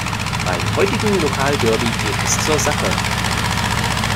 Beim heutigen Lokalderby geht es zur Sache.